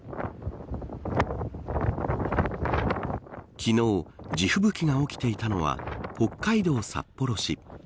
昨日、地吹雪が起きていたのは北海道札幌市。